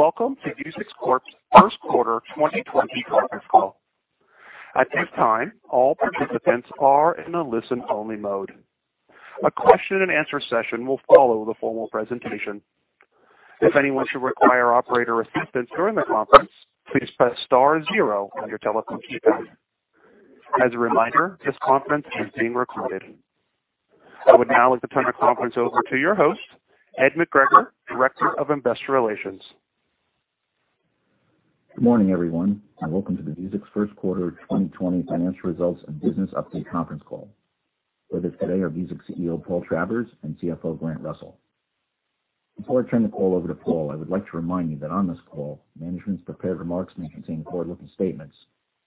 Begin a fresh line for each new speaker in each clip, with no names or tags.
Thanks, and welcome to Vuzix Corporation's First Quarter 2020 Conference Call. At this time, all participants are in a listen-only mode. A question and answer session will follow the formal presentation. If anyone should require operator assistance during the conference, please press star zero on your telephone keypad. As a reminder, this conference is being recorded. I would now like to turn the conference over to your host, Ed McGregor, Director of Investor Relations.
Good morning, everyone, and welcome to the Vuzix first quarter 2020 financial results and business update conference call. With us today are Vuzix CEO, Paul Travers, and CFO, Grant Russell. Before I turn the call over to Paul, I would like to remind you that on this call, management's prepared remarks may contain forward-looking statements,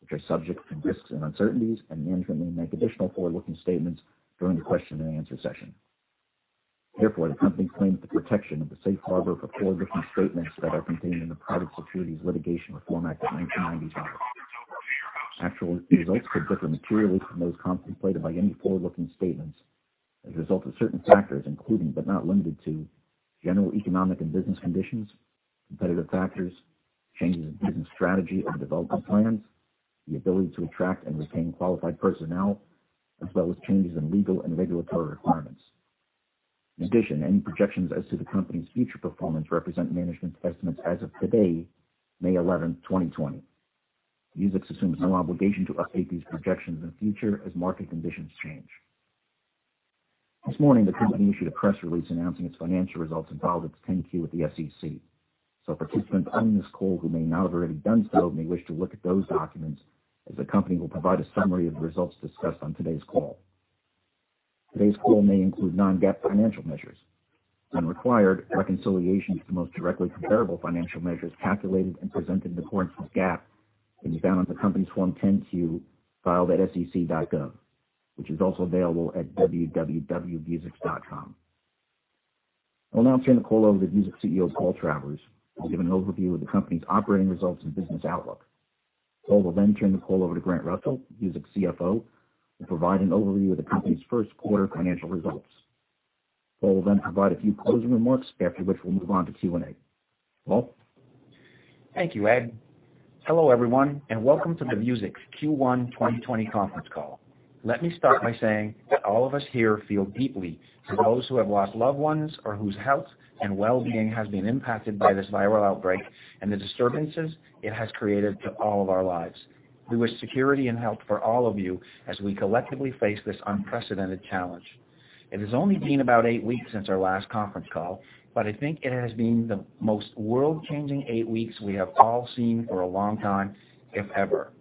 which are subject to risks and uncertainties, and management may make additional forward-looking statements during the question-and-answer session. The company claims the protection of the safe harbor for forward-looking statements that are contained in the Private Securities Litigation Reform Act of 1995. Actual results could differ materially from those contemplated by any forward-looking statements as a result of certain factors, including, but not limited to, general economic and business conditions, competitive factors, changes in business strategy or development plans, the ability to attract and retain qualified personnel, as well as changes in legal and regulatory requirements. In addition, any projections as to the company's future performance represent management's estimates as of today, May 11, 2020. Vuzix assumes no obligation to update these projections in the future as market conditions change. This morning, the company issued a press release announcing its financial results and filed its 10-Q at the SEC. Participants on this call who may not have already done so may wish to look at those documents, as the company will provide a summary of the results discussed on today's call. Today's call may include non-GAAP financial measures. When required, reconciliation to the most directly comparable financial measures calculated and presented in accordance with GAAP can be found on the company's Form 10-Q filed at sec.gov, which is also available at www.vuzix.com. I'll now turn the call over to Vuzix CEO, Paul Travers, who will give an overview of the company's operating results and business outlook. Paul will turn the call over to Grant Russell, Vuzix CFO, to provide an overview of the company's first quarter financial results. Paul will provide a few closing remarks, after which we'll move on to Q&A. Paul?
Thank you, Ed. Hello, everyone, and welcome to the Vuzix Q1 2020 conference call. Let me start by saying that all of us here feel deeply for those who have lost loved ones or whose health and wellbeing has been impacted by this viral outbreak and the disturbances it has created to all of our lives. We wish security and health for all of you as we collectively face this unprecedented challenge. It has only been about eight weeks since our last conference call, but I think it has been the most world-changing eight weeks we have all seen for a long time, if ever.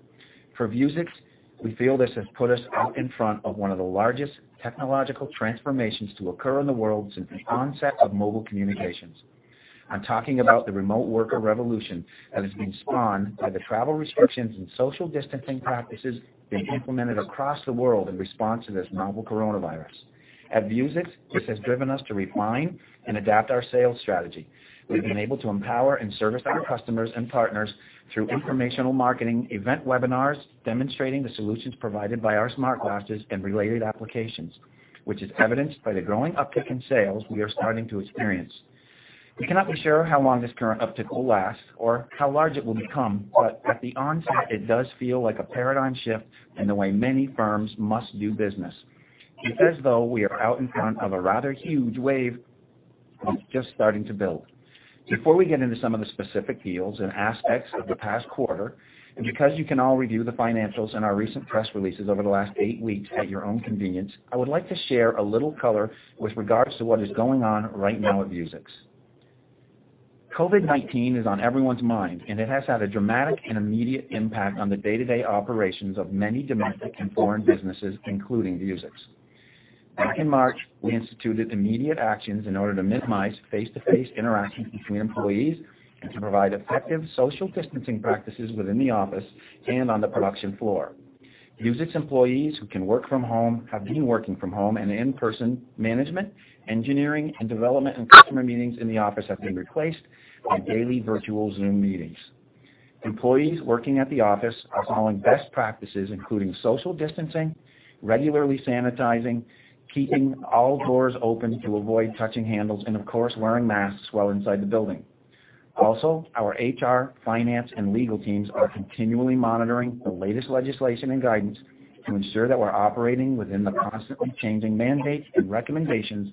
For Vuzix, we feel this has put us out in front of one of the largest technological transformations to occur in the world since the onset of mobile communications. I'm talking about the remote worker revolution that has been spawned by the travel restrictions and social distancing practices being implemented across the world in response to this novel coronavirus. At Vuzix, this has driven us to refine and adapt our sales strategy. We've been able to empower and service our customers and partners through informational marketing event webinars demonstrating the solutions provided by our Smart Glasses and related applications, which is evidenced by the growing uptick in sales we are starting to experience. We cannot be sure how long this current uptick will last or how large it will become, but at the onset, it does feel like a paradigm shift in the way many firms must do business. It's as though we are out in front of a rather huge wave that's just starting to build. Before we get into some of the specific deals and aspects of the past quarter, and because you can all review the financials and our recent press releases over the last eight weeks at your own convenience, I would like to share a little color with regards to what is going on right now at Vuzix. COVID-19 is on everyone's mind, and it has had a dramatic and immediate impact on the day-to-day operations of many domestic and foreign businesses, including Vuzix. Back in March, we instituted immediate actions in order to minimize face-to-face interactions between employees and to provide effective social distancing practices within the office and on the production floor. Vuzix employees who can work from home have been working from home, and in-person management, engineering, and development, and customer meetings in the office have been replaced by daily virtual Zoom meetings. Employees working at the office are following best practices, including social distancing, regularly sanitizing, keeping all doors open to avoid touching handles, and of course, wearing masks while inside the building. Also, our HR, finance, and legal teams are continually monitoring the latest legislation and guidance to ensure that we're operating within the constantly changing mandates and recommendations,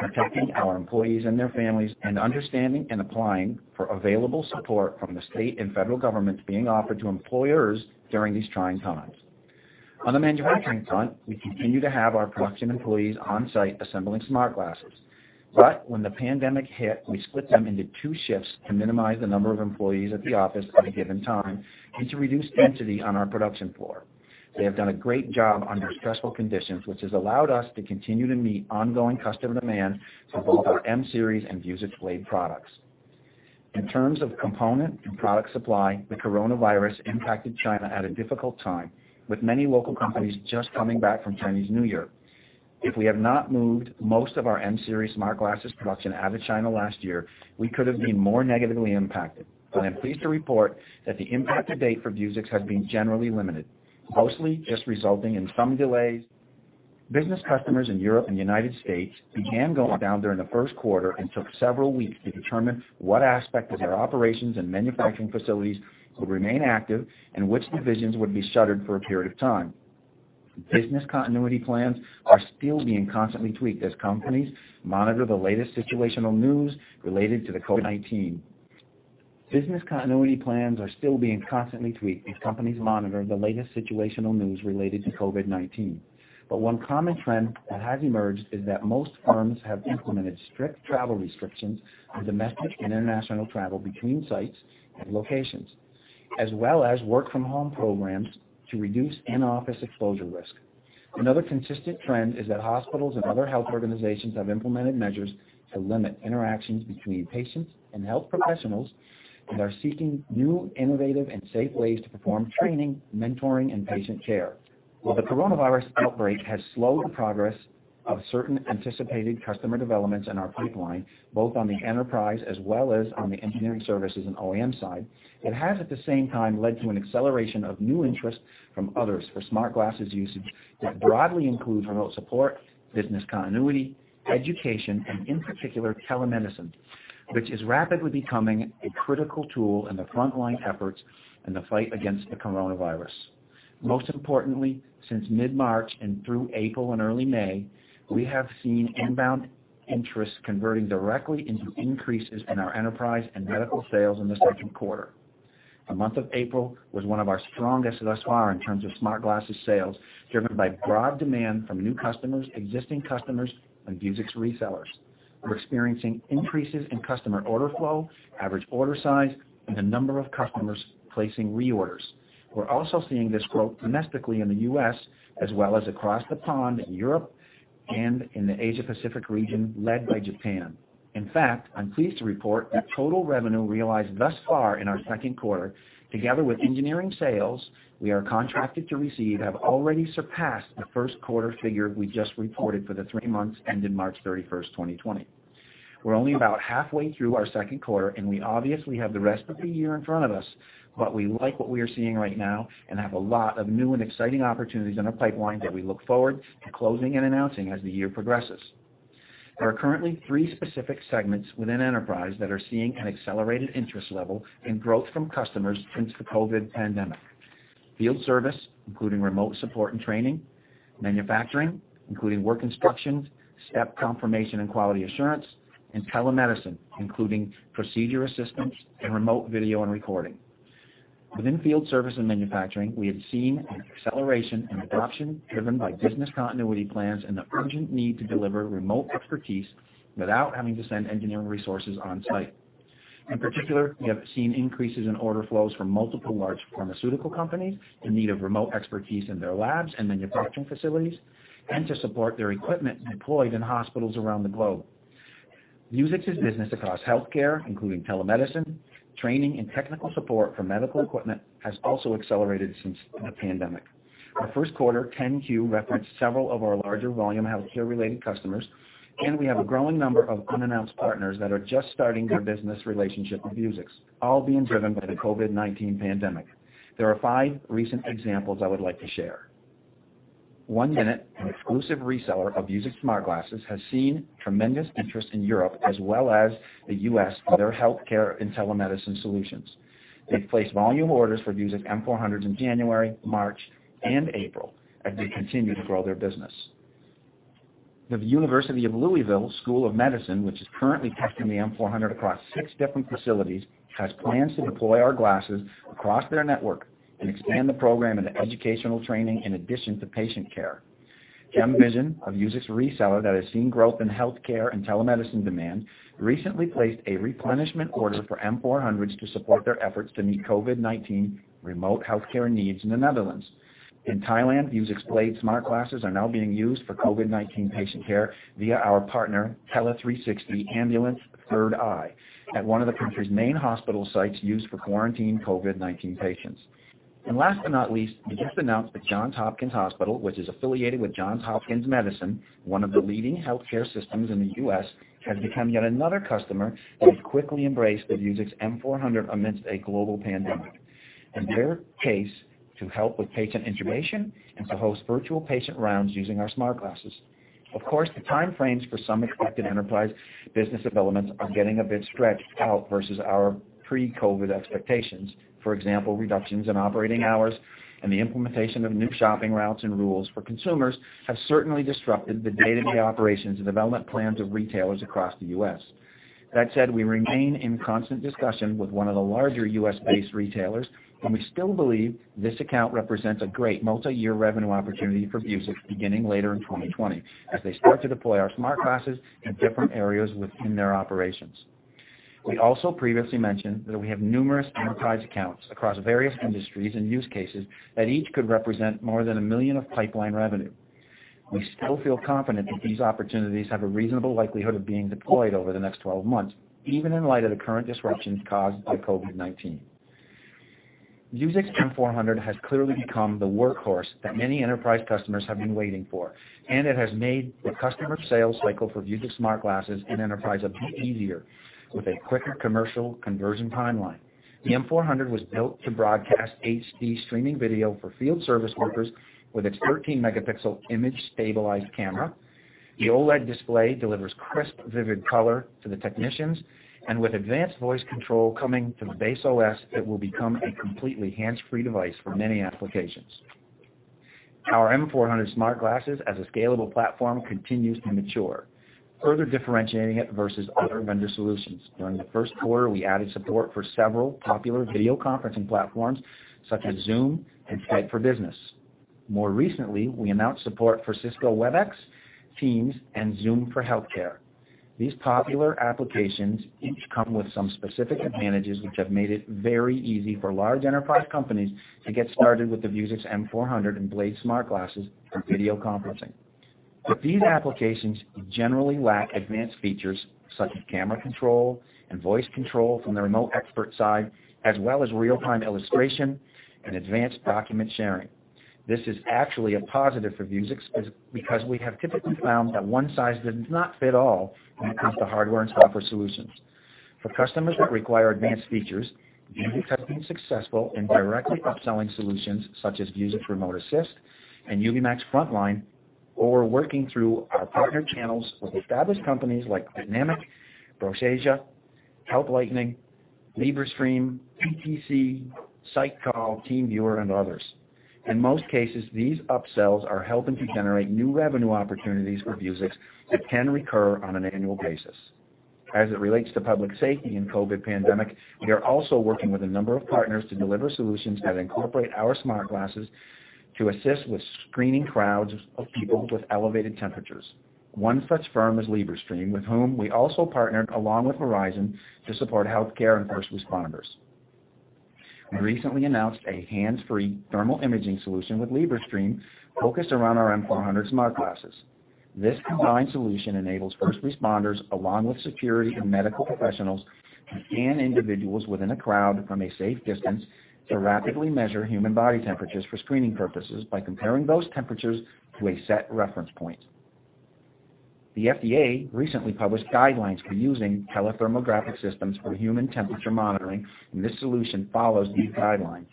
protecting our employees and their families, and understanding and applying for available support from the state and federal governments being offered to employers during these trying times. On the manufacturing front, we continue to have our production employees on-site assembling Smart Glasses. But when the pandemic hit, we split them into two shifts to minimize the number of employees at the office at a given time and to reduce density on our production floor. They have done a great job under stressful conditions, which has allowed us to continue to meet ongoing customer demand for both our M-Series and Vuzix Blade products. In terms of component and product supply, the coronavirus impacted China at a difficult time, with many local companies just coming back from Chinese New Year. If we have not moved most of our M-Series Smart Glasses production out of China last year, we could have been more negatively impacted. I'm pleased to report that the impact to date for Vuzix has been generally limited, mostly just resulting in some delays. Business customers in Europe and the U.S. began going down during the first quarter and took several weeks to determine what aspect of their operations and manufacturing facilities would remain active and which divisions would be shuttered for a period of time. Business continuity plans are still being constantly tweaked as companies monitor the latest situational news related to the COVID-19. One common trend that has emerged is that most firms have implemented strict travel restrictions on domestic and international travel between sites and locations, as well as work from home programs to reduce in-office exposure risk. Another consistent trend is that hospitals and other health organizations have implemented measures to limit interactions between patients and health professionals and are seeking new, innovative, and safe ways to perform training, mentoring, and patient care. While the coronavirus outbreak has slowed the progress of certain anticipated customer developments in our pipeline, both on the enterprise as well as on the engineering services and OEM side, it has, at the same time, led to an acceleration of new interest from others for Smart Glasses usage that broadly includes remote support, business continuity, education, and in particular, telemedicine, which is rapidly becoming a critical tool in the frontline efforts in the fight against the coronavirus. Most importantly, since mid-March and through April and early May, we have seen inbound interest converting directly into increases in our enterprise and medical sales in the second quarter. The month of April was one of our strongest thus far in terms of Smart Glasses sales, driven by broad demand from new customers, existing customers, and Vuzix resellers. We're experiencing increases in customer order flow, average order size, and the number of customers placing reorders. We're also seeing this growth domestically in the U.S. as well as across the pond in Europe and in the Asia Pacific region, led by Japan. In fact, I'm pleased to report that total revenue realized thus far in our second quarter, together with engineering sales we are contracted to receive, have already surpassed the first quarter figure we just reported for the three months ended March 31st, 2020. We're only about halfway through our second quarter, and we obviously have the rest of the year in front of us, but we like what we are seeing right now and have a lot of new and exciting opportunities in our pipeline that we look forward to closing and announcing as the year progresses. There are currently three specific segments within enterprise that are seeing an accelerated interest level in growth from customers since the COVID-19 pandemic. Field service, including remote support and training, manufacturing, including work instructions, step confirmation, and quality assurance, and telemedicine, including procedure assistance and remote video and recording. Within field service and manufacturing, we have seen an acceleration in adoption driven by business continuity plans and the urgent need to deliver remote expertise without having to send engineering resources on site. In particular, we have seen increases in order flows from multiple large pharmaceutical companies in need of remote expertise in their labs and manufacturing facilities, and to support their equipment deployed in hospitals around the globe. Vuzix's business across healthcare, including telemedicine, training, and technical support for medical equipment, has also accelerated since the pandemic. Our first quarter 10-Q referenced several of our larger-volume, healthcare-related customers. We have a growing number of unannounced partners that are just starting their business relationship with Vuzix, all being driven by the COVID-19 pandemic. There are five recent examples I would like to share. 1Minuut, an exclusive reseller of Vuzix Smart Glasses, has seen tremendous interest in Europe as well as the U.S. for their healthcare and telemedicine solutions. They've placed volume orders for Vuzix M400s in January, March, and April as they continue to grow their business. The University of Louisville School of Medicine, which is currently testing the M400 across six different facilities, has plans to deploy our glasses across their network and expand the program into educational training in addition to patient care. Gemvision, a Vuzix reseller that has seen growth in healthcare and telemedicine demand, recently placed a replenishment order for M400s to support their efforts to meet COVID-19 remote healthcare needs in the Netherlands. In Thailand, Vuzix Blade Smart Glasses are now being used for COVID-19 patient care via our partner, Tely360 (Ambulance 3rd Eye,) at one of the country's main hospital sites used for quarantining COVID-19 patients. Last but not least, we just announced that Johns Hopkins Hospital—which is affiliated with Johns Hopkins Medicine, one of the leading healthcare systems in the U.S.—has become yet another customer that has quickly embraced the Vuzix M400 amidst a global pandemic, in their case, to help with patient integration and to host virtual patient rounds using our Smart Glasses. Of course, the time frames for some expected enterprise business developments are getting a bit stretched out versus our pre-COVID expectations. For example, reductions in operating hours and the implementation of new shopping routes and rules for consumers have certainly disrupted the day-to-day operations and development plans of retailers across the U.S. That said, we remain in constant discussion with one of the larger U.S.-based retailers, and we still believe this account represents a great multi-year revenue opportunity for Vuzix beginning later in 2020, as they start to deploy our Smart Glasses in different areas within their operations. We also previously mentioned that we have numerous enterprise accounts across various industries and use cases that each could represent more than $1 million of pipeline revenue. We still feel confident that these opportunities have a reasonable likelihood of being deployed over the next 12 months, even in light of the current disruptions caused by COVID-19. Vuzix M400 has clearly become the workhorse that many enterprise customers have been waiting for. It has made the customer sales cycle for Vuzix Smart Glasses in enterprise a bit easier with a quicker commercial conversion timeline. The M400 was built to broadcast HD streaming video for field service workers with its 13-megapixel image-stabilized camera. The OLED display delivers crisp, vivid color to the technicians. With advanced voice control coming to the base OS, it will become a completely hands-free device for many applications. Our M400 Smart Glasses as a scalable platform continues to mature, further differentiating it versus other vendor solutions. During the first quarter, we added support for several popular video conferencing platforms such as Zoom and Skype for Business. More recently, we announced support for Cisco Webex, Teams, and Zoom for Healthcare. These popular applications each come with some specific advantages which have made it very easy for large enterprise companies to get started with the Vuzix M400 and Blade Smart Glasses for video conferencing. These applications generally lack advanced features such as camera control and voice control from the remote expert side, as well as real-time illustration and advanced document sharing. This is actually a positive for Vuzix because we have typically found that one size does not fit all when it comes to hardware and software solutions. For customers that require advanced features, Vuzix has been successful in directly upselling solutions such as Vuzix Remote Assist and Ubimax Frontline, or working through our partner channels with established companies like Bitnamic, Proscia, Help Lightning, Librestream, PTC, SightCall, TeamViewer, and others. In most cases, these upsells are helping to generate new revenue opportunities for Vuzix that can recur on an annual basis. As it relates to public safety and COVID pandemic, we are also working with a number of partners to deliver solutions that incorporate our Smart Glasses to assist with screening crowds of people with elevated temperatures. One such firm is Librestream, with whom we also partnered along with Verizon to support healthcare and first responders. We recently announced a hands-free thermal imaging solution with Librestream focused around our M400 Smart Glasses This combined solution enables first responders, along with security and medical professionals, to scan individuals within a crowd from a safe distance to rapidly measure human body temperatures for screening purposes by comparing those temperatures to a set reference point. The FDA recently published guidelines for using telethermographic systems for human temperature monitoring, and this solution follows these guidelines.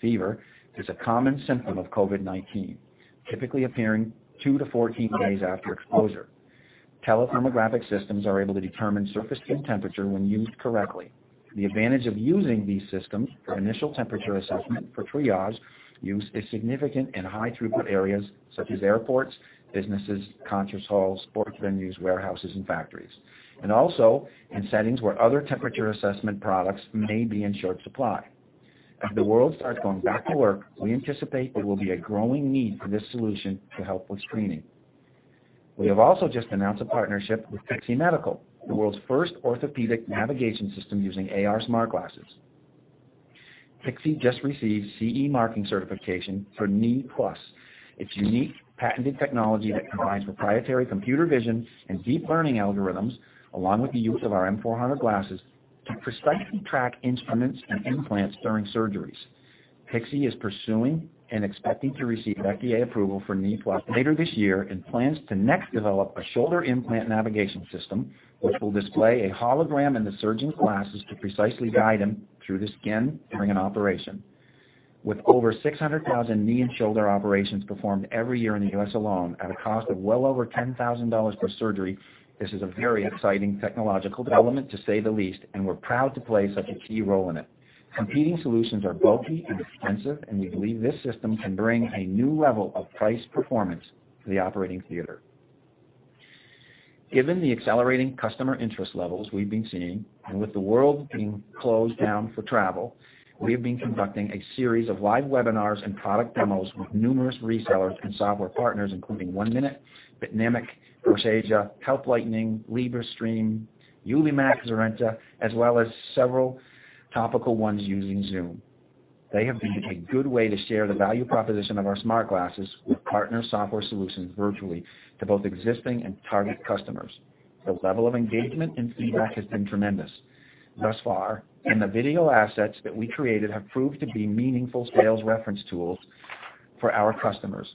Fever is a common symptom of COVID-19, typically appearing two to 14 days after exposure. Telethermographic systems are able to determine surface skin temperature when used correctly. The advantage of using these systems for initial temperature assessment for triage use is significant in high throughput areas such as airports, businesses, concert halls, sports venues, warehouses, and factories, and also in settings where other temperature assessment products may be in short supply. As the world starts going back to work, we anticipate there will be a growing need for this solution to help with screening. We have also just announced a partnership with Pixee Medical, the world's first orthopedic navigation system using AR Smart Glasses. Pixee just received CE marking certification for Knee+, its unique patented technology that combines proprietary computer vision and deep learning algorithms, along with the use of our M400 glasses, to precisely track instruments and implants during surgeries. Pixee is pursuing and expecting to receive FDA approval for Knee+ later this year and plans to next develop a shoulder implant navigation system, which will display a hologram in the surgeon's glasses to precisely guide him through the skin during an operation. With over 600,000 knee and shoulder operations performed every year in the U.S. alone, at a cost of well over $10,000 per surgery, this is a very exciting technological development, to say the least, and we're proud to play such a key role in it. Competing solutions are bulky and expensive, and we believe this system can bring a new level of price performance to the operating theater. Given the accelerating customer interest levels we've been seeing and with the world being closed down for travel, we have been conducting a series of live webinars and product demos with numerous resellers and software partners, including 1Minuut, Bitnamic, Proscia, Help Lightning, Librestream, Ubimax, Xenia, as well as several topical ones using Zoom. They have been a good way to share the value proposition of our Smart Glasses with partner software solutions virtually to both existing and target customers. The level of engagement and feedback has been tremendous thus far, and the video assets that we created have proved to be meaningful sales reference tools for our customers.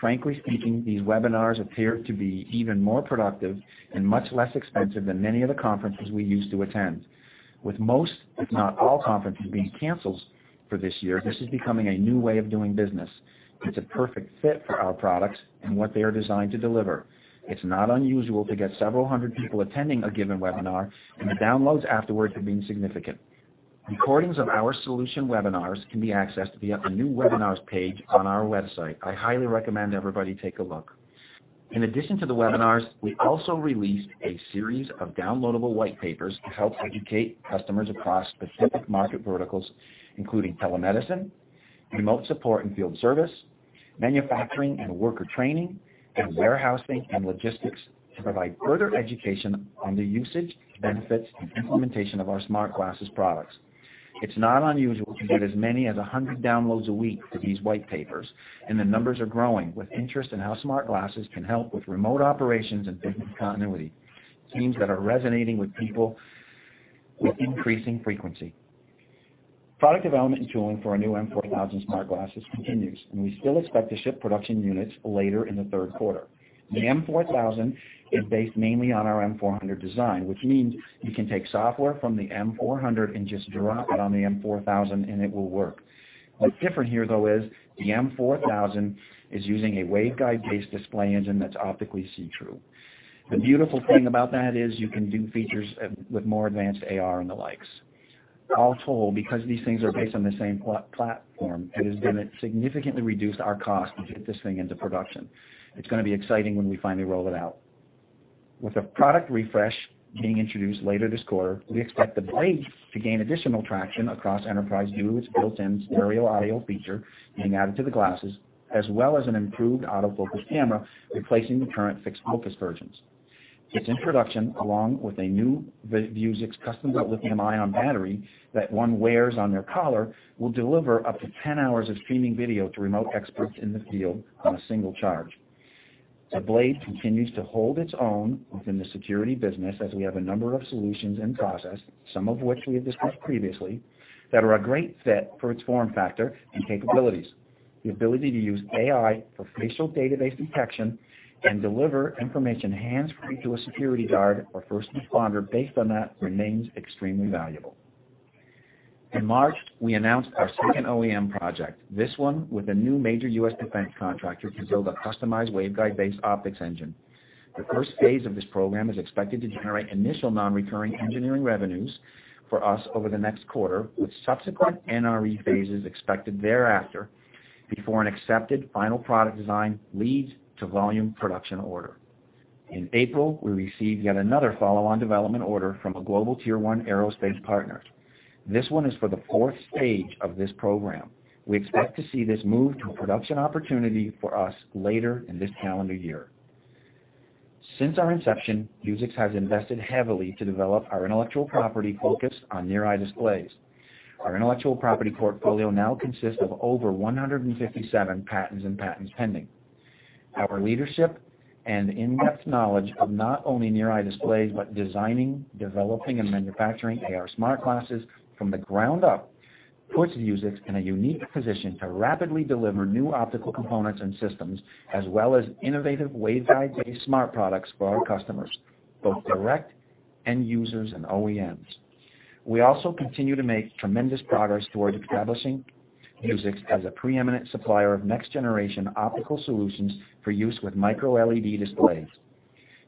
Frankly speaking, these webinars appear to be even more productive and much less expensive than many of the conferences we used to attend. With most, if not all, conferences being canceled for this year, this is becoming a new way of doing business. It's a perfect fit for our products and what they are designed to deliver. It's not unusual to get several hundred people attending a given webinar, and the downloads afterward have been significant. Recordings of our solution webinars can be accessed via the new Webinars page on our website. I highly recommend everybody take a look. In addition to the webinars, we also released a series of downloadable white papers to help educate customers across specific market verticals, including telemedicine, remote support and field service, manufacturing and worker training, and warehousing and logistics, to provide further education on the usage, benefits, and implementation of our Smart Glasses products. It's not unusual to get as many as 100 downloads a week to these white papers, and the numbers are growing with interest in how Smart Glasses can help with remote operations and business continuity. Themes that are resonating with people with increasing frequency. Product development and tooling for our new M4000 Smart Glasses continues, and we still expect to ship production units later in the third quarter. The M4000 is based mainly on our M400 design, which means you can take software from the M400 and just drop it on the M4000 and it will work. What's different here, though, is the M4000 is using a waveguide-based display engine that's optically see-through. The beautiful thing about that is you can do features with more advanced AR and the likes. All told, because these things are based on the same platform, it has significantly reduced our cost to get this thing into production. It's going to be exciting when we finally roll it out. With a product refresh being introduced later this quarter, we expect the Blade to gain additional traction across enterprise due to its built-in stereo audio feature being added to the glasses, as well as an improved autofocus camera replacing the current fixed focus versions. Its introduction, along with a new Vuzix custom-built lithium-ion battery that one wears on their collar, will deliver up to 10 hours of streaming video to remote experts in the field on a single charge. The Blade continues to hold its own within the security business as we have a number of solutions in process, some of which we have discussed previously, that are a great fit for its form factor and capabilities. The ability to use AI for facial database detection and deliver information hands-free to a security guard or first responder based on that remains extremely valuable. In March, we announced our second OEM project, this one with a new major U.S. defense contractor to build a customized waveguide-based optics engine. The first phase of this program is expected to generate initial non-recurring engineering revenues for us over the next quarter, with subsequent NRE phases expected thereafter before an accepted final product design leads to volume production order. In April, we received yet another follow-on development order from a global tier one aerospace partner. This one is for the four stage of this program. We expect to see this move to a production opportunity for us later in this calendar year. Since our inception, Vuzix has invested heavily to develop our intellectual property focused on near-eye displays. Our intellectual property portfolio now consists of over 157 patents and patents pending. Our leadership and in-depth knowledge of not only near-eye displays, but designing, developing, and manufacturing AR Smart Glasses from the ground up, puts Vuzix in a unique position to rapidly deliver new optical components and systems, as well as innovative waveguide-based smart products for our customers, both direct end users and OEMs. We also continue to make tremendous progress towards establishing Vuzix as a preeminent supplier of next-generation optical solutions for use with microLED displays.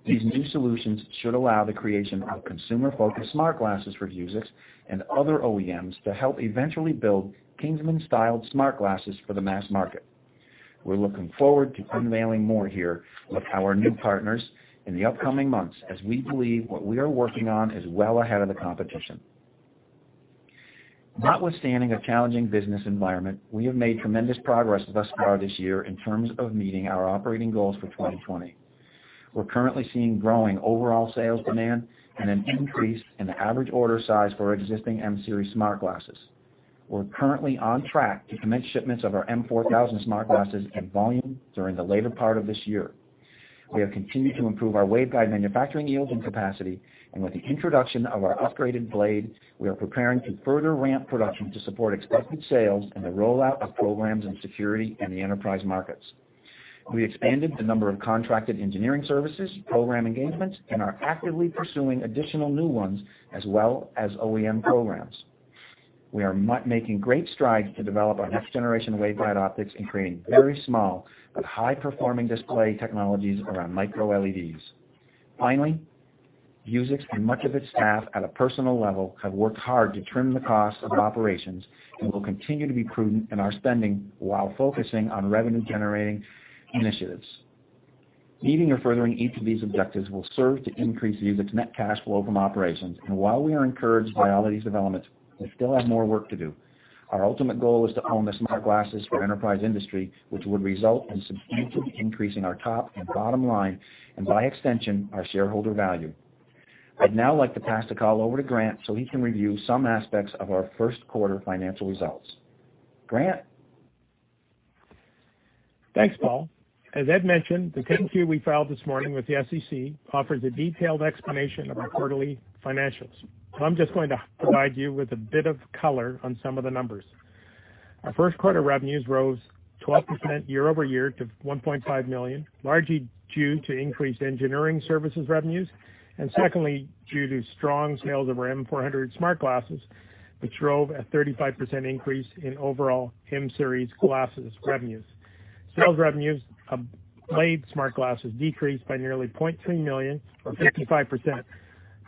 These new solutions should allow the creation of consumer-focused Smart Glasses for Vuzix and other OEMs to help eventually build Kingsman-styled Smart Glasses for the mass market. We're looking forward to unveiling more here with our new partners in the upcoming months as we believe what we are working on is well ahead of the competition. Notwithstanding a challenging business environment, we have made tremendous progress thus far this year in terms of meeting our operating goals for 2020. We're currently seeing growing overall sales demand and an increase in the average order size for our existing M-Series Smart Glasses. We're currently on track to commence shipments of our M4000 Smart Glasses at volume during the later part of this year. We have continued to improve our waveguide manufacturing yields and capacity, and with the introduction of our upgraded Blade, we are preparing to further ramp production to support expected sales and the rollout of programs in security and the enterprise markets. We expanded the number of contracted engineering services, program engagements, and are actively pursuing additional new ones as well as OEM programs. We are making great strides to develop our next-generation waveguide optics and creating very small but high-performing display technologies around microLEDs. Finally, Vuzix and much of its staff at a personal level have worked hard to trim the cost of operations and will continue to be prudent in our spending while focusing on revenue-generating initiatives. Meeting or furthering each of these objectives will serve to increase Vuzix net cash flow from operations, and while we are encouraged by all these developments, we still have more work to do. Our ultimate goal is to own the Smart Glasses for enterprise industry, which would result in substantially increasing our top and bottom line, and by extension, our shareholder value. I'd now like to pass the call over to Grant so he can review some aspects of our first quarter financial results. Grant?
Thanks, Paul. As Ed mentioned, the 10-Q we filed this morning with the SEC offers a detailed explanation of our quarterly financials. I'm just going to provide you with a bit of color on some of the numbers. Our first quarter revenues rose 12% year-over-year to $1.5 million, largely due to increased engineering services revenues, and secondly, due to strong sales of our M400 Smart Glasses, which drove a 35% increase in overall M-Series glasses revenues. Sales revenues of Blade Smart Glasses decreased by nearly $0.2 million or 55%,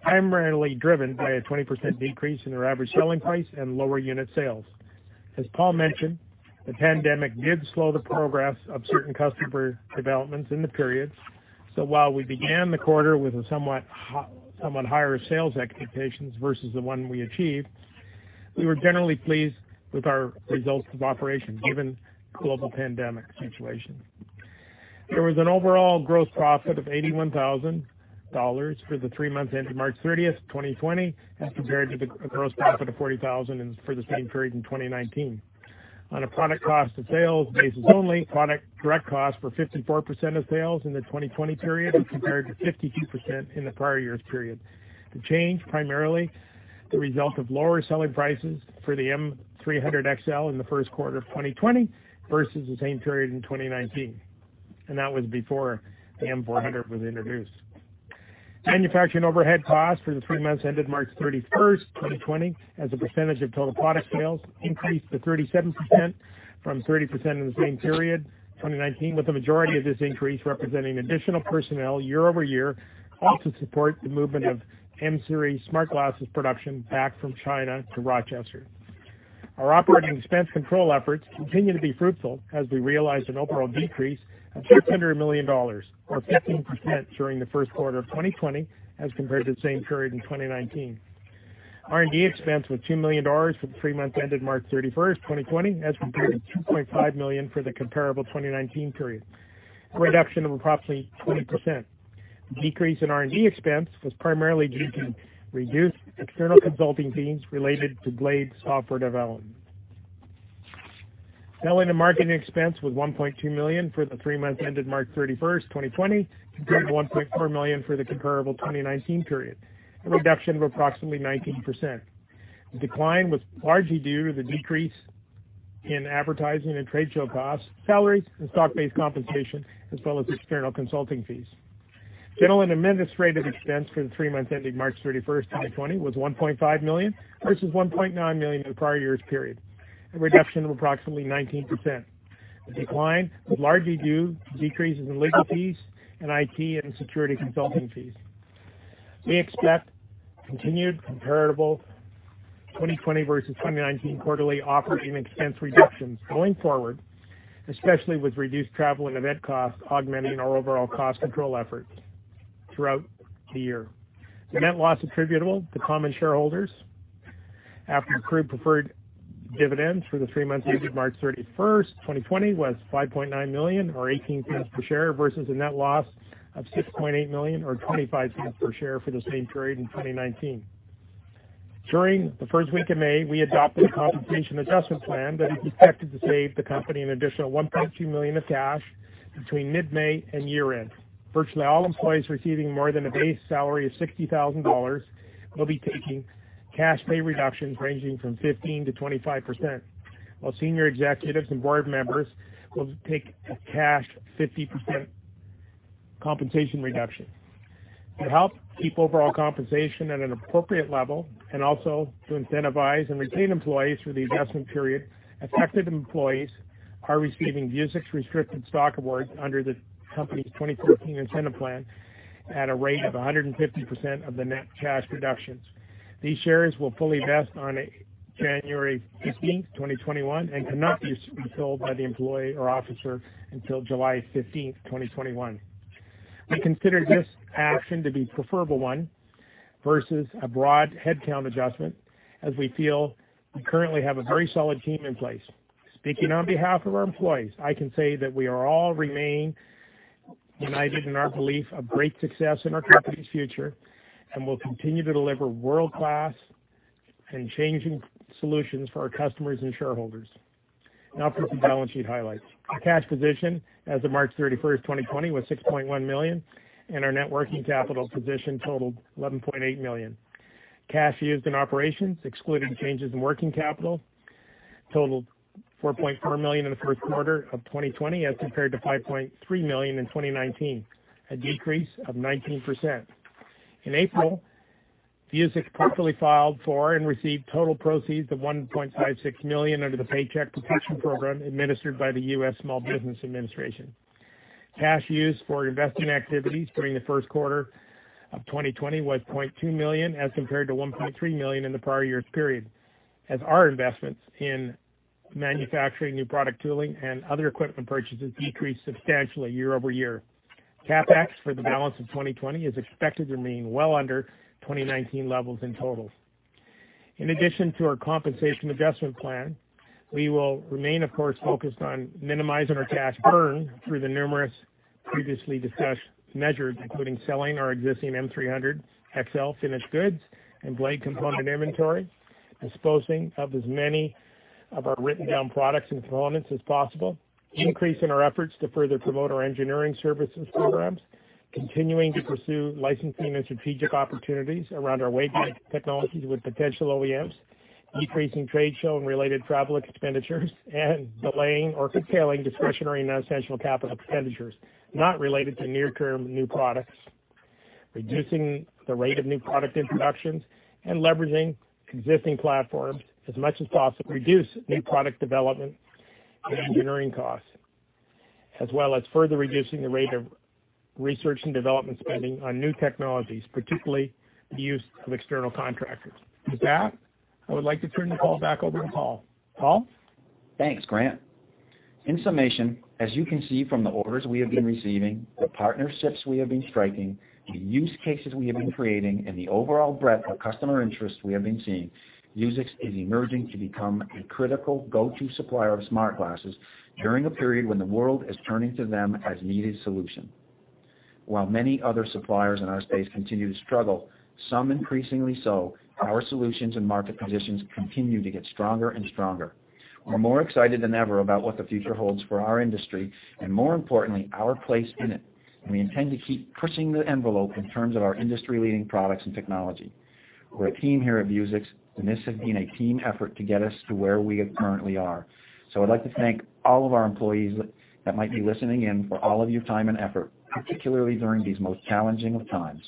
primarily driven by a 20% decrease in their average selling price and lower unit sales. As Paul mentioned, the pandemic did slow the progress of certain customer developments in the period. While we began the quarter with somewhat higher sales expectations versus the one we achieved, we were generally pleased with our results of operations, given the global pandemic situation. There was an overall gross profit of $81,000 for the three months ending March 30th, 2020, as compared to the gross profit of $40,000 for the same period in 2019. On a product cost of sales basis only, product direct costs were 54% of sales in the 2020 period as compared to 52% in the prior year's period. The change primarily the result of lower selling prices for the M300XL in the first quarter of 2020 versus the same period in 2019. That was before the M400 was introduced. Manufacturing overhead costs for the three months ended March 31st, 2020, as a percentage of total product sales, increased to 37% from 30% in the same period 2019, with the majority of this increase representing additional personnel year-over-year, cost to support the movement of M-Series Smart Glasses production back from China to Rochester. Our operating expense control efforts continue to be fruitful as we realized an overall decrease of $600 million or 15% during the first quarter of 2020 as compared to the same period in 2019. R&D expense was $2 million for the three months ended March 31st, 2020, as compared to $2.5 million for the comparable 2019 period, a reduction of approximately 20%. The decrease in R&D expense was primarily due to reduced external consulting fees related to Blade software development. Selling and marketing expense was $1.2 million for the three months ended March 31st, 2020, compared to $1.4 million for the comparable 2019 period, a reduction of approximately 19%. The decline was largely due to the decrease in advertising and trade show costs, salaries and stock-based compensation, as well as external consulting fees. General and administrative expense for the three months ending March 31st, 2020, was $1.5 million, versus $1.9 million in the prior year's period, a reduction of approximately 19%. The decline was largely due to decreases in legal fees and IT and security consulting fees. We expect continued comparable 2020 versus 2019 quarterly operating expense reductions going forward, especially with reduced travel and event costs augmenting our overall cost control efforts throughout the year. The net loss attributable to common shareholders after accrued preferred dividends for the three months ended March 31st, 2020, was $5.9 million or $0.18 per share versus a net loss of $6.8 million or $0.25 per share for the same period in 2019. During the first week of May, we adopted a compensation adjustment plan that is expected to save the company an additional $1.2 million of cash between mid-May and year-end. Virtually all employees receiving more than a base salary of $60,000 will be taking cash pay reductions ranging from 15%-25%, while senior executives and board members will take a cash 50% compensation reduction. To help keep overall compensation at an appropriate level and also to incentivize and retain employees through the adjustment period, affected employees are receiving Vuzix restricted stock awards under the company's 2014 Incentive Plan at a rate of 150% of the net cash reductions. These shares will fully vest on January 15th, 2021, and cannot be sold by the employee or officer until July 15th, 2021. We consider this action to be preferable one versus a broad headcount adjustment as we feel we currently have a very solid team in place. Speaking on behalf of our employees, I can say that we all remain united in our belief of great success in our company's future, and we'll continue to deliver world-class and changing solutions for our customers and shareholders. Now for some balance sheet highlights. Our cash position as of March 31, 2020, was $6.1 million, and our net working capital position totaled $11.8 million. Cash used in operations, excluding the changes in working capital, totaled $4.4 million in the first quarter of 2020 as compared to $5.3 million in 2019, a decrease of 19%. In April, Vuzix promptly filed for and received total proceeds of $1.56 million under the Paycheck Protection Program administered by the U.S. Small Business Administration. Cash used for investing activities during the first quarter of 2020 was $0.2 million as compared to $1.3 million in the prior year's period as our investments in manufacturing new product tooling and other equipment purchases decreased substantially year-over-year. CapEx for the balance of 2020 is expected to remain well under 2019 levels in total. In addition to our compensation adjustment plan, we will remain, of course, focused on minimizing our cash burn through the numerous previously discussed measures, including selling our existing M300XL finished goods and Blade component inventory, disposing of as many of our written-down products and components as possible, increasing our efforts to further promote our engineering services programs, continuing to pursue licensing and strategic opportunities around our waveguide technologies with potential OEMs, decreasing trade show and related travel expenditures, and delaying or curtailing discretionary non-essential CapEx not related to near-term new products, reducing the rate of new product introductions and leveraging existing platforms as much as possible to reduce new product development and engineering costs, as well as further reducing the rate of R&D spending on new technologies, particularly the use of external contractors. With that, I would like to turn the call back over to Paul. Paul?
Thanks, Grant. In summation, as you can see from the orders we have been receiving, the partnerships we have been striking, the use cases we have been creating, and the overall breadth of customer interest we have been seeing, Vuzix is emerging to become a critical go-to supplier of Smart Glasses during a period when the world is turning to them as a needed solution. While many other suppliers in our space continue to struggle, some increasingly so, our solutions and market positions continue to get stronger and stronger. We're more excited than ever about what the future holds for our industry and, more importantly, our place in it, and we intend to keep pushing the envelope in terms of our industry-leading products and technology. We're a team here at Vuzix, and this has been a team effort to get us to where we currently are. I'd like to thank all of our employees that might be listening in for all of your time and effort, particularly during these most challenging of times.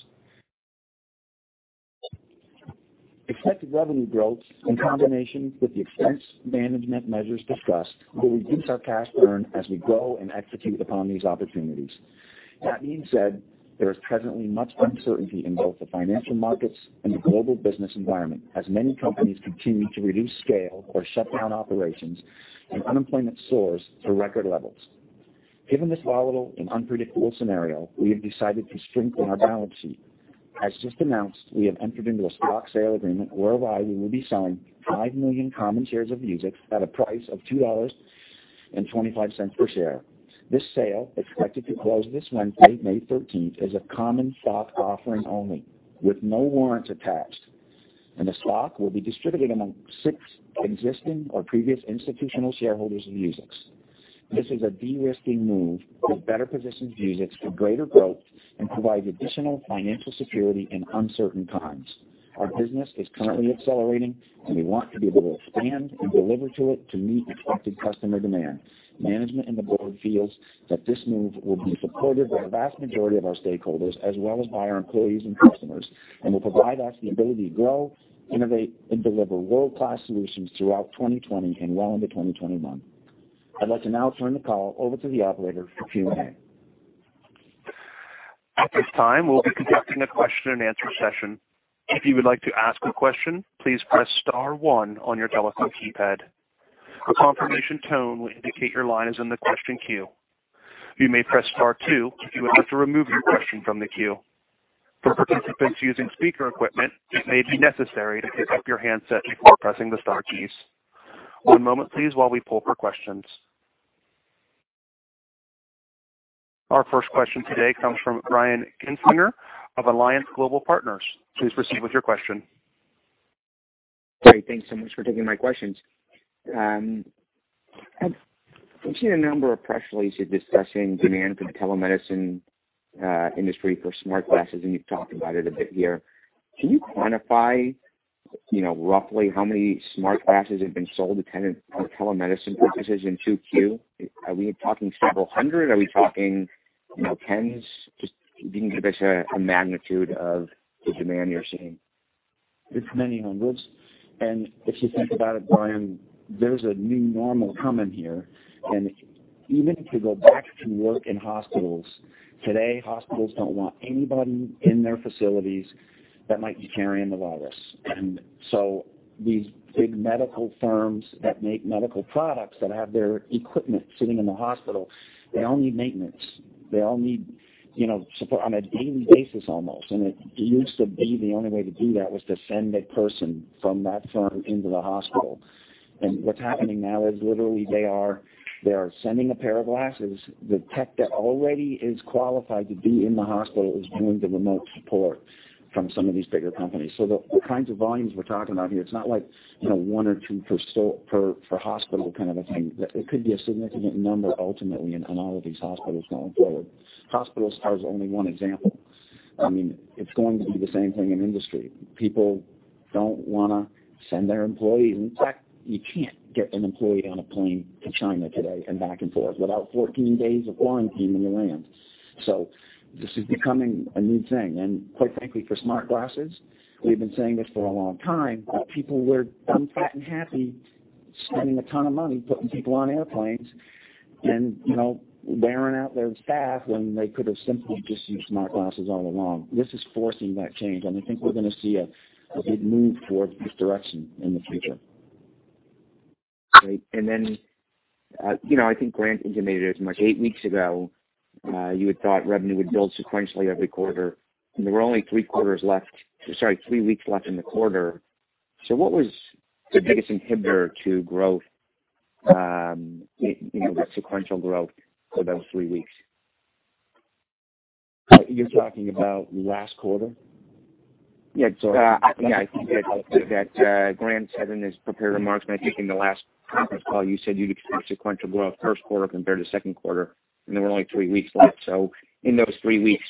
Expected revenue growth in combination with the expense management measures discussed will reduce our cash burn as we grow and execute upon these opportunities. That being said, there is presently much uncertainty in both the financial markets and the global business environment as many companies continue to reduce scale or shut down operations and unemployment soars to record levels. Given this volatile and unpredictable scenario, we have decided to strengthen our balance sheet. As just announced, we have entered into a stock sale agreement whereby we will be selling 5 million common shares of Vuzix at a price of $2.25 per share. This sale, expected to close this Wednesday, May 13th, is a common stock offering only with no warrants attached, and the stock will be distributed among six existing or previous institutional shareholders of Vuzix. This is a de-risking move that better positions Vuzix for greater growth and provides additional financial security in uncertain times. Our business is currently accelerating, and we want to be able to expand and deliver to it to meet expected customer demand. Management and the board feels that this move will be supported by the vast majority of our stakeholders as well as by our employees and customers and will provide us the ability to grow, innovate, and deliver world-class solutions throughout 2020 and well into 2021. I'd like to now turn the call over to the operator for Q&A.
At this time, we'll be conducting a question and answer session. If you would like to ask a question, please press star one on your telephone keypad. A confirmation tone will indicate your line is in the question queue. You may press star two if you would like to remove your question from the queue. For participants using speaker equipment, it may be necessary to pick up your handset before pressing the star keys. One moment, please, while we pull for questions. Our first question today comes from Brian Kinstlinger of Alliance Global Partners. Please proceed with your question.
Great. Thanks so much for taking my questions. I've seen a number of press releases discussing demand for the telemedicine industry for Smart Glasses, and you've talked about it a bit here. Can you quantify roughly how many Smart Glasses have been sold to telemedicine purposes in 2Q? Are we talking several hundred? Are we talking tens? Just can you give us a magnitude of the demand you're seeing?
It's many hundreds. If you think about it, Brian, there's a new normal coming here. Even if you go back to work in hospitals, today, hospitals don't want anybody in their facilities that might be carrying the virus. These big medical firms that make medical products that have their equipment sitting in the hospital, they all need maintenance. They all need support on a daily basis almost. It used to be the only way to do that was to send a person from that firm into the hospital. What's happening now is literally they are sending a pair of glasses. The tech that already is qualified to be in the hospital is doing the remote support from some of these bigger companies. The kinds of volumes we're talking about here, it's not like one or two per hospital kind of a thing. It could be a significant number ultimately in all of these hospitals going forward. Hospitals are only one example. It's going to be the same thing in industry. People don't want to send their employees. In fact, you can't get an employee on a plane to China today and back and forth without 14 days of quarantining when you land. This is becoming a new thing. Quite frankly, for Smart Glasses, we've been saying this for a long time, but people were damn fat and happy spending a ton of money putting people on airplanes and wearing out their staff when they could have simply just used Smart Glasses all along. This is forcing that change, and I think we're going to see a big move towards this direction in the future.
Great. I think Grant intimated as much eight weeks ago, you had thought revenue would build sequentially every quarter, there were only three quarters left Sorry, three weeks left in the quarter. What was the biggest inhibitor to growth, the sequential growth for those three weeks?
You're talking about last quarter?
I think that Grant said in his prepared remarks, and I think in the last conference call, you said you'd expect sequential growth first quarter compared to second quarter, and there were only three weeks left. In those three weeks,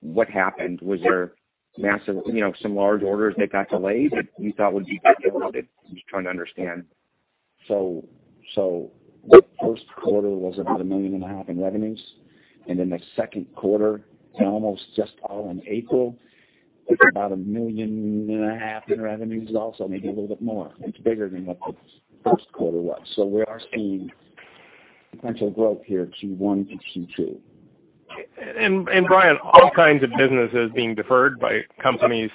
what happened? Was there some large orders that got delayed that you thought would be big loaded? I'm just trying to understand.
The first quarter was about a million and a half in revenues, and then the second quarter, almost just all in April, was about a million and a half in revenues also, maybe a little bit more. It's bigger than what the first quarter was. We are seeing sequential growth here, Q1 to Q2.
Brian, all kinds of business is being deferred by companies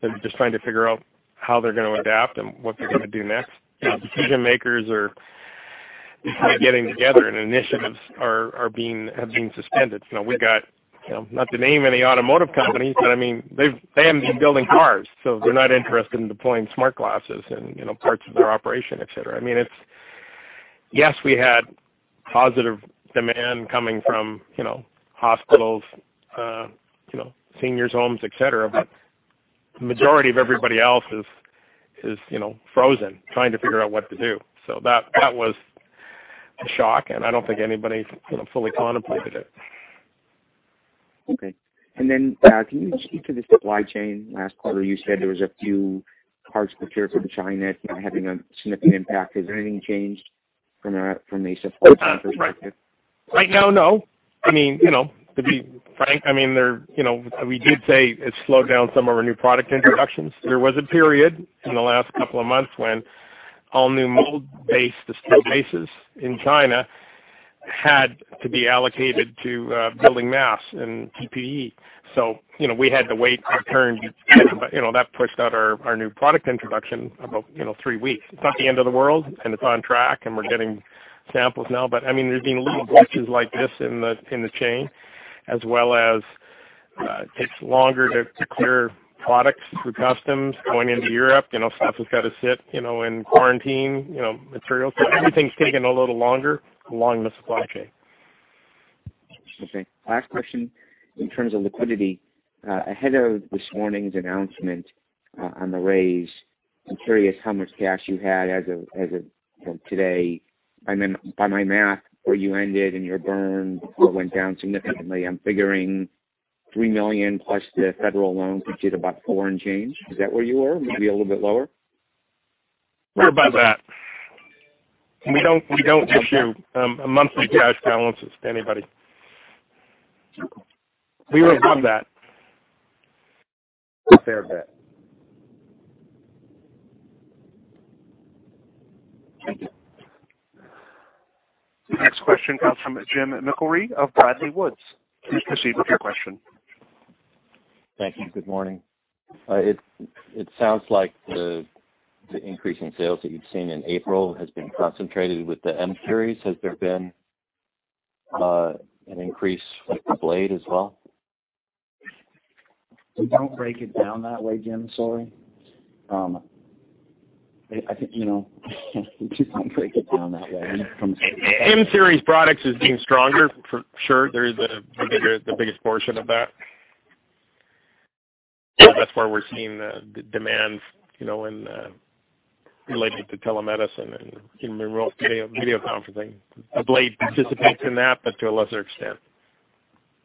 that are just trying to figure out how they're going to adapt and what they're going to do next. Decision-makers are getting together. Initiatives have been suspended. We got, not to name any automotive companies, but they haven't been building cars, so they're not interested in deploying Smart Glasses in parts of their operation, et cetera. I mean, yes, we had positive demand coming from hospitals, seniors' homes, et cetera, but the majority of everybody else is frozen, trying to figure out what to do. That was a shock, and I don't think anybody fully contemplated it.
Okay. Can you speak to the supply chain? Last quarter, you said there was a few parts procured from China having a significant impact. Has anything changed from there from a supply chain perspective?
Right now, no. To be frank, we did say it slowed down some of our new product introductions. There was a period in the last couple of months when all new mold bases in China had to be allocated to building masks and PPE. We had to wait our turn. That pushed out our new product introduction about three weeks. It's not the end of the world, and it's on track, and we're getting samples now, but there's been little glitches like this in the chain, as well as it takes longer to clear products through customs going into Europe. Stuff has got to sit in quarantine, materials. Everything's taking a little longer along the supply chain.
Okay. Last question, in terms of liquidity, ahead of this morning's announcement on the raise, I'm curious how much cash you had as of today. By my math, where you ended and your burn went down significantly, I'm figuring $3 million plus the federal loan puts you at about four and change. Is that where you are? Maybe a little bit lower?
We're above that. We don't issue monthly cash balances to anybody.
Okay.
We are above that.
Above there a bit. Thank you.
The next question comes from Jim McIlree of Bradley Woods. Please proceed with your question.
Thank you. Good morning. It sounds like the increase in sales that you've seen in April has been concentrated with the M-Series. Has there been an increase with the Blade as well?
We don't break it down that way, Jim. Sorry. We just don't break it down that way.
M-Series products has been stronger, for sure. They're the biggest portion of that. That's where we're seeing the demand related to telemedicine and remote video conferencing. The Blade participates in that, but to a lesser extent.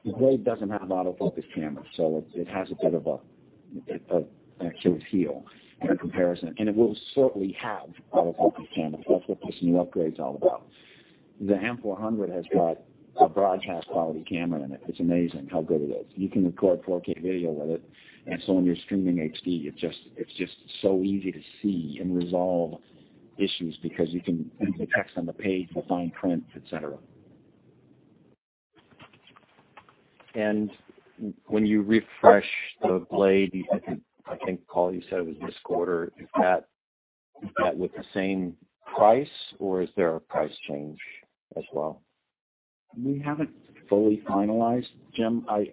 The Blade doesn't have an autofocus camera, so it has a bit of an Achilles heel in comparison, and it will certainly have autofocus camera. That's what this new upgrade is all about. The M400 has got a broadcast-quality camera in it. It's amazing how good it is. You can record 4K video with it, and so when you're streaming HD, it's just so easy to see and resolve issues because you can read the text on the page, the fine print, etc.
When you refresh the Blade, I think, Paul, you said it was this quarter. Is that with the same price, or is there a price change as well?
We haven't fully finalized, Jim. I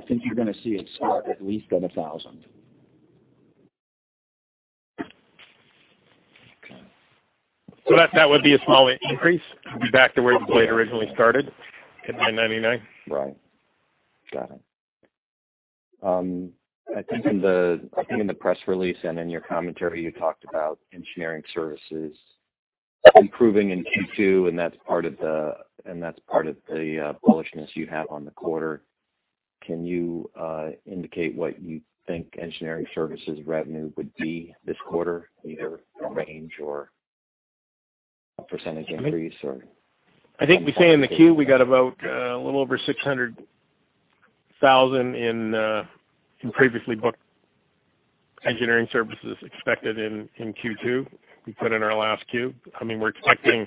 think you're going to see it start at least at $1,000.
Okay.
That would be a small increase. It'd be back to where the Vuzix Blade originally started, at $999.
Right. Got it. I think in the press release and in your commentary, you talked about engineering services improving in Q2, and that's part of the bullishness you have on the quarter. Can you indicate what you think engineering services revenue would be this quarter, either a range or a percentage increase?
I think we say in the 10-Q, we got about a little over $600,000 in previously booked engineering services expected in Q2. We put in our last 10-Q. We're expecting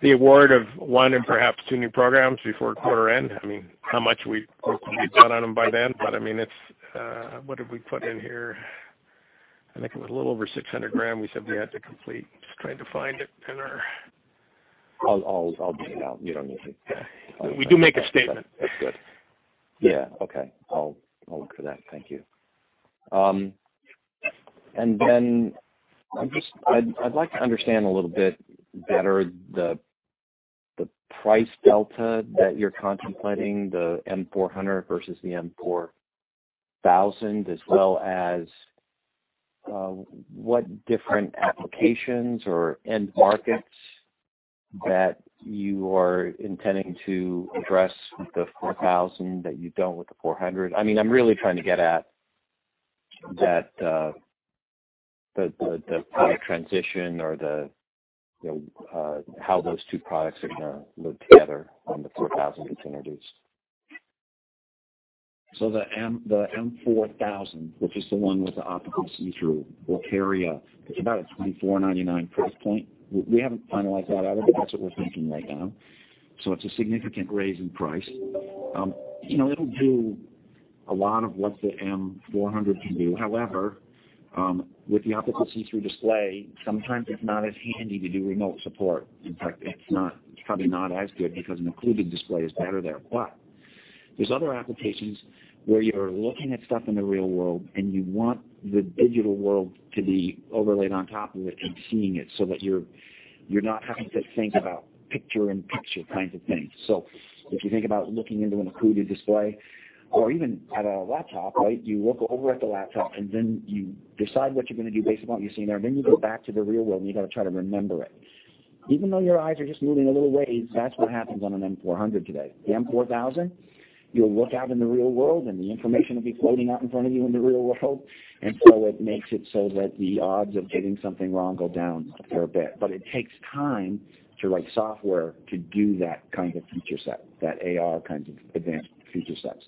the award of one and perhaps two new programs before quarter end. How much we've got on them by then, but what did we put in here? I think it was a little over $600,000 we said we had to complete. Just trying to find it in our
I'll bring it out. You don't need to.
We do make a statement.
That's good. Yeah, okay. I'll look for that. Thank you. I'd like to understand a little bit better the price delta that you're contemplating, the M400 versus the M4000, as well as what different applications or end markets that you are intending to address with the 4000 that you don't with the 400. I'm really trying to get at the product transition or how those two products are going to live together when the 4000 gets introduced.
The M4000, which is the one with the optical see-through, will carry a $2,499 price point. We haven't finalized that either, but that's what we're thinking right now. It's a significant raise in price. It'll do a lot of what the M400 can do. However, with the optical see-through display, sometimes it's not as handy to do remote support. In fact, it's probably not as good because an occluded display is better there. There's other applications where you're looking at stuff in the real world, and you want the digital world to be overlaid on top of it and seeing it so that you're not having to think about picture-in-picture kinds of things. If you think about looking into an occluded display or even at a laptop, you look over at the laptop, and then you decide what you're going to do based on what you see there. You go back to the real world, and you've got to try to remember it. Even though your eyes are just moving a little ways, that's what happens on an M400 today. The M4000, you'll look out in the real world, and the information will be floating out in front of you in the real world. It makes it so that the odds of getting something wrong go down a fair bit. It takes time to write software to do that kind of feature set, that AR kind of advanced feature sets.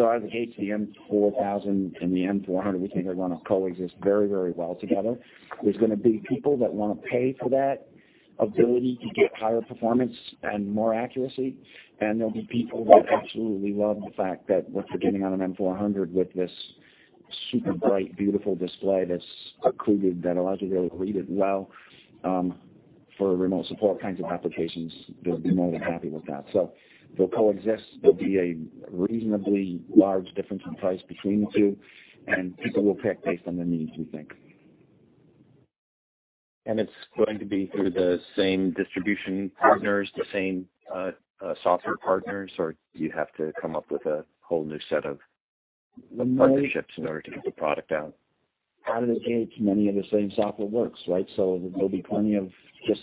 I would gauge the M4000 and the M400, we think they're going to coexist very well together. There's going to be people that want to pay for that ability to get higher performance and more accuracy, and there'll be people that absolutely love the fact that what they're getting on an M400 with this super bright, beautiful display that's occluded, that allows you to be able to read it well, for remote support kinds of applications, they'll be more than happy with that. They'll coexist. There'll be a reasonably large difference in price between the two, and people will pick based on their needs, we think.
It's going to be through the same distribution partners, the same software partners, or do you have to come up with a whole new set of partnerships in order to get the product out?
Out of the gate, many of the same software works. There'll be plenty of just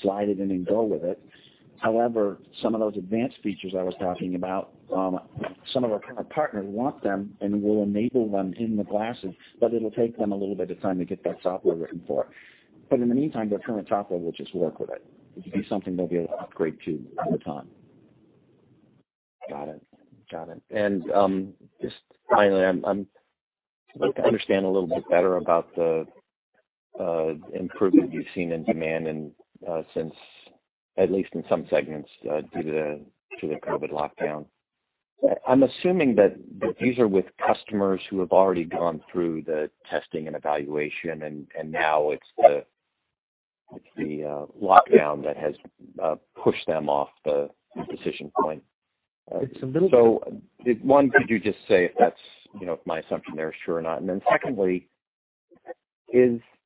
slide it in and go with it. Some of those advanced features I was talking about, some of our partners want them, and we'll enable them in the glasses, but it'll take them a little bit of time to get that software written for it. In the meantime, their current software will just work with it. It'll be something they'll be able to upgrade to over time.
Got it. Just finally, I'd like to understand a little bit better about the improvement you've seen in demand since at least in some segments due to the COVID lockdown. I'm assuming that these are with customers who have already gone through the testing and evaluation, and now it's the lockdown that has pushed them off the decision point.
It's a little.
One, could you just say if my assumption there is true or not? Secondly,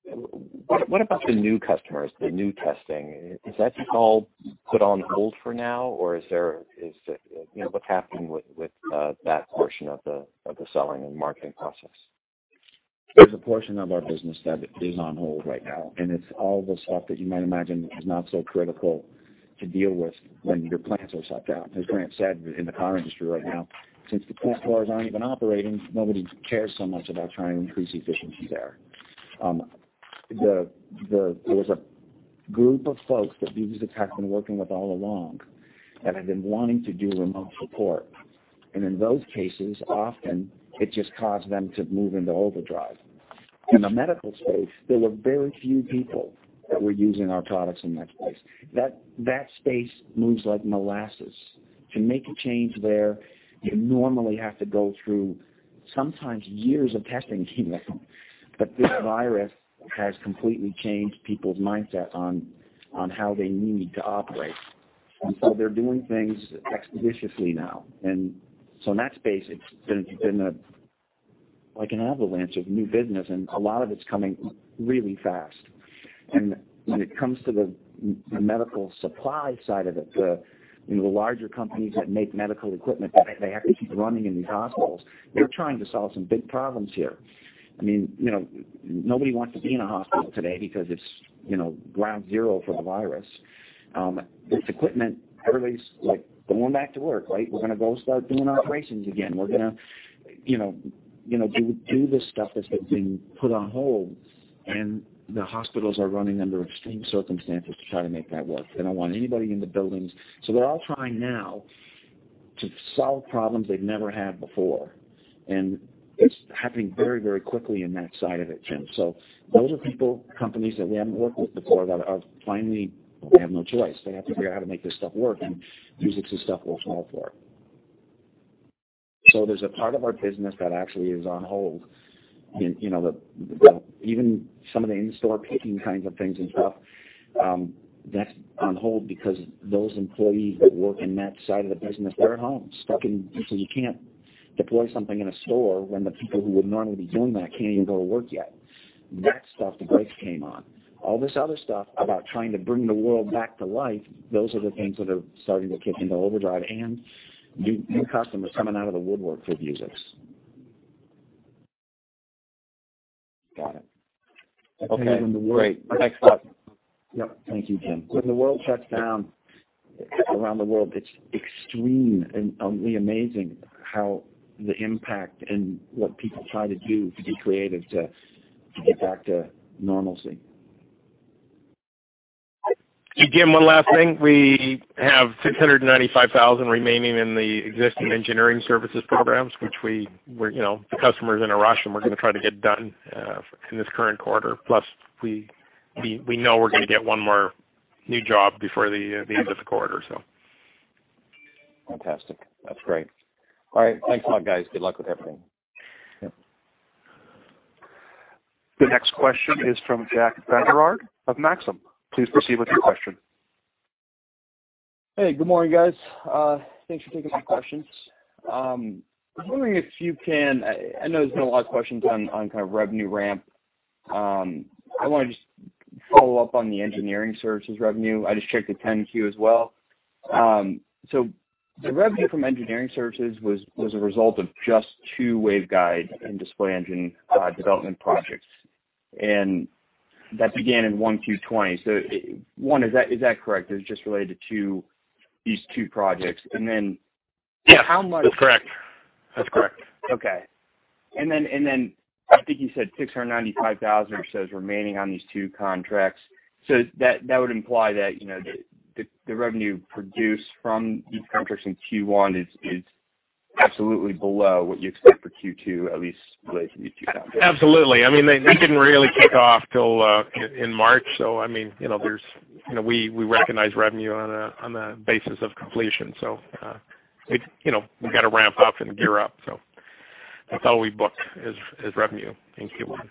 what about the new customers, the new testing? Is that just all put on hold for now? What's happening with that portion of the selling and marketing process?
There's a portion of our business that is on hold right now, and it's all the stuff that you might imagine is not so critical to deal with when your plants are shut down. As Grant said, in the car industry right now, since the press cars aren't even operating, nobody cares so much about trying to increase efficiency there. There was a group of folks that Vuzix has been working with all along that have been wanting to do remote support, and in those cases, often it just caused them to move into overdrive. In the medical space, there were very few people that were using our products in that space. That space moves like molasses. To make a change there, you normally have to go through sometimes years of testing but this virus has completely changed people's mindset on how they need to operate. They're doing things expeditiously now. In that space, it's been like an avalanche of new business, and a lot of it's coming really fast. When it comes to the medical supply side of it, the larger companies that make medical equipment that they have to keep running in these hospitals, they're trying to solve some big problems here. Nobody wants to be in a hospital today because it's ground zero for the virus. This equipment, everybody's going back to work. We're going to go start doing operations again. We're going to do this stuff that's been put on hold, and the hospitals are running under extreme circumstances to try to make that work. They don't want anybody in the buildings. They're all trying now to solve problems they've never had before, and it's happening very quickly on that side of it, Jim. Those are people, companies that we haven't worked with before. They have no choice. They have to figure out how to make this stuff work, and Vuzix's stuff will solve for it. There's a part of our business that actually is on hold. Even some of the in-store picking kinds of things and stuff, that's on hold because those employees that work in that side of the business, they're at home. Because you can't deploy something in a store when the people who would normally be doing that can't even go to work yet. That stuff, the brakes came on. All this other stuff about trying to bring the world back to life, those are the things that are starting to kick into overdrive and new customers coming out of the woodwork for Vuzix.
Got it. Okay, great. Next up.
Yep. Thank you, Jim. When the world shuts down around the world, it's extremely amazing how the impact and what people try to do to be creative to get back to normalcy.
Jim, one last thing. We have $695,000 remaining in the existing engineering services programs, which the customer's in a rush, and we're going to try to get done in this current quarter. Plus, we know we're going to get one more new job before the end of the quarter.
Fantastic. That's great. All right. Thanks a lot, guys. Good luck with everything.
Yep.
The next question is from Jack Vander Aarde of Maxim. Please proceed with your question.
Hey, good morning, guys. Thanks for taking my questions. I know there's been a lot of questions on kind of revenue ramp. I want to just follow up on the engineering services revenue. I just checked the 10-Q as well. The revenue from engineering services was a result of just two waveguide and display engine development projects, and that began in 1Q20. One, is that correct, that it's just related to these two projects?
Yeah.
How much?
That's correct.
Okay. I think you said $695,000 or so is remaining on these two contracts. That would imply that the revenue produced from these contracts in Q1 is absolutely below what you expect for Q2, at least related to these two contracts.
Absolutely. They didn't really kick off till in March. We recognize revenue on a basis of completion. We've got to ramp up and gear up. That's all we book as revenue in Q1.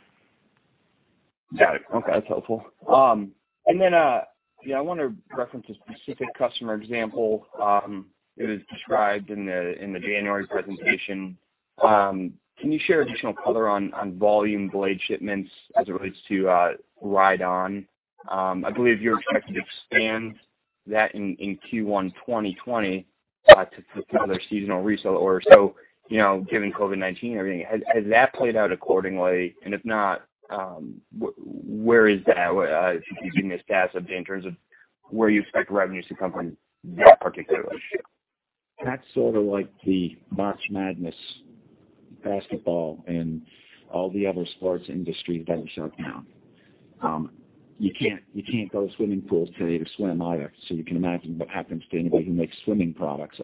Got it. Okay, that's helpful. Yeah, I want to reference a specific customer example. It was described in the January presentation. Can you share additional color on Vuzix Blade shipments as it relates to RideOn Vision? I believe you're expecting to expand that in Q1 2020 to another seasonal resell or so, given COVID-19 and everything. Has that played out accordingly? If not, where is that, if you can be as tacit in terms of where you expect revenues to come from that particular issue?
That is sort of like the March Madness basketball and all the other sports industries that are shut down. You cannot go to swimming pools today to swim either. You can imagine what happens to anybody who makes swimming products.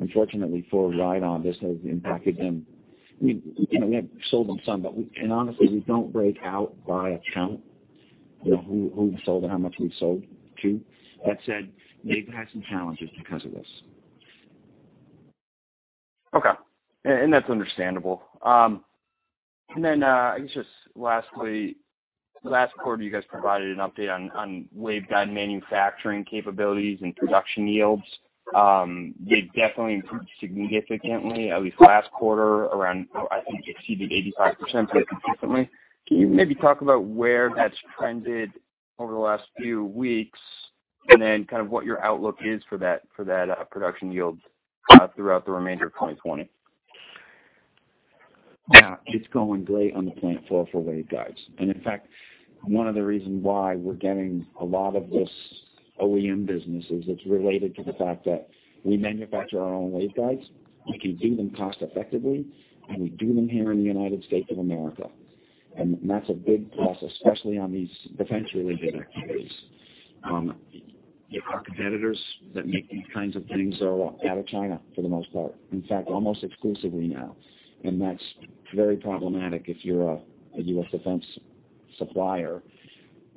Unfortunately for RideOn Vision, this has impacted them. We have sold them some. Honestly, we do not break out by account, who we have sold and how much we have sold to. That said, they have had some challenges because of this.
Okay. That's understandable. I guess just lastly, last quarter, you guys provided an update on waveguide manufacturing capabilities and production yields. They've definitely improved significantly, at least last quarter, around, I think you exceeded 85% pretty consistently. Can you maybe talk about where that's trended over the last few weeks and then kind of what your outlook is for that production yield throughout the remainder of 2020?
Yeah. It's going great on the plant floor for waveguides. In fact, one of the reasons why we're getting a lot of this OEM business is it's related to the fact that we manufacture our own waveguides. We can do them cost effectively, and we do them here in the United States of America. That's a big plus, especially on these defense-related activities. Our competitors that make these kinds of things are out of China for the most part, in fact, almost exclusively now, and that's very problematic if you're a U.S. defense supplier,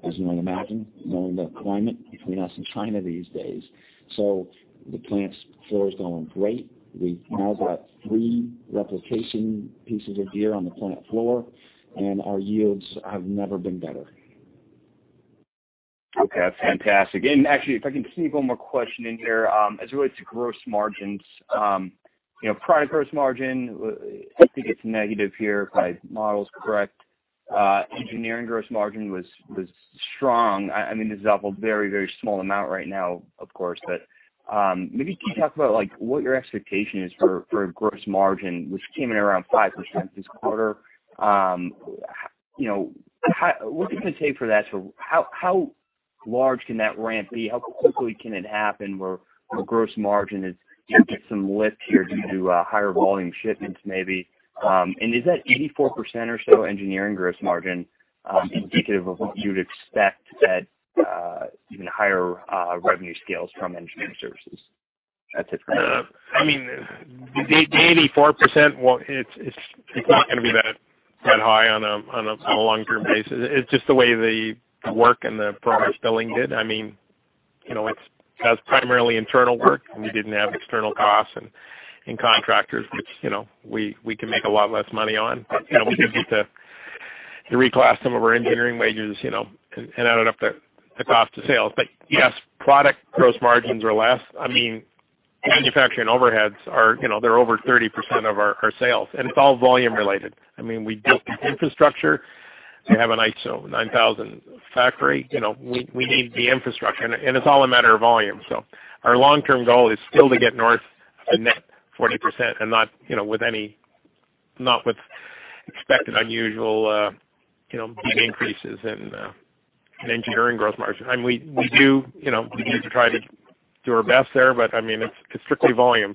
as you might imagine, knowing the climate between us and China these days. The plant floor's going great. We've now got three replication pieces of gear on the plant floor, and our yields have never been better.
Okay. That's fantastic. Actually, if I can sneak one more question in here. As it relates to gross margins, product gross margin, I think it's negative here if my model's correct. Engineering gross margin was strong. This is off a very small amount right now, of course, maybe can you talk about what your expectation is for gross margin, which came in around 5% this quarter? Looking to the tape for that, how large can that ramp be? How quickly can it happen where gross margin can get some lift here due to higher volume shipments maybe? Is that 84% or so engineering gross margin indicative of what you'd expect at even higher revenue scales from engineering services? That's it for now.
The 84%, it's not gonna be that high on a long-term basis. It's just the way the work and the progress billing did. That's primarily internal work, and we didn't have external costs and contractors, which we can make a lot less money on. We just need to reclass some of our engineering wages, and add it up to the cost of sales. Yes, product gross margins are less. Manufacturing overheads are, they're over 30% of our sales, and it's all volume related. We built the infrastructure. We have an ISO 9000 factory. We need the infrastructure, and it's all a matter of volume. Our long-term goal is still to get north of net 40% and not with any unexpected, unusual, big increases in engineering gross margin. We do try to do our best there, but it's strictly volume.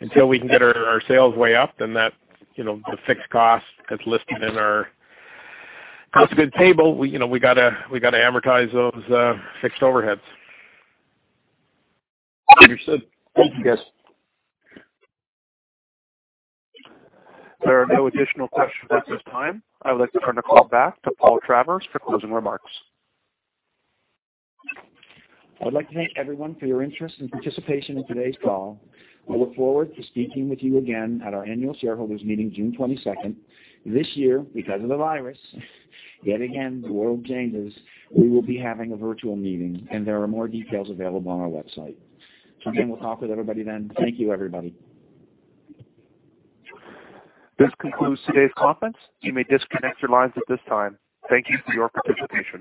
Until we can get our sales way up, then that fixed cost that's listed in our cost of goods table, we got to amortize those fixed overheads.
Understood. Thank you, guys.
There are no additional questions at this time. I would like to turn the call back to Paul Travers for closing remarks.
I would like to thank everyone for your interest and participation in today's call. I look forward to speaking with you again at our annual shareholders' meeting June 22nd. This year, because of the virus, yet again, the world changes, we will be having a virtual meeting, and there are more details available on our website. Again, we'll talk with everybody then. Thank you, everybody.
This concludes today's conference. You may disconnect your lines at this time. Thank you for your participation.